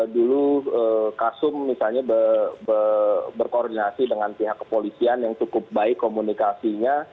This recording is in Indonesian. dulu kasum misalnya berkoordinasi dengan pihak kepolisian yang cukup baik komunikasinya